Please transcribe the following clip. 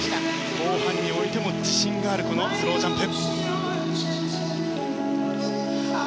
後半においても自信がある、スロージャンプ。